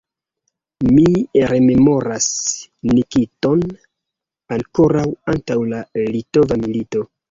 Mi rememoras Nikiton ankoraŭ antaŭ la litova milito.